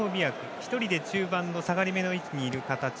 １人で中盤の下がりめの位置にいる形。